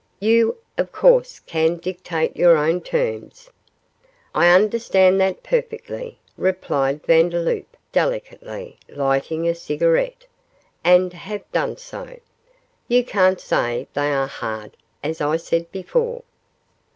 'You, of course, can dictate your own terms.' 'I understand that perfectly,' replied Vandeloup, delicately, lighting a cigarette, 'and have done so. You can't say they are hard, as I said before.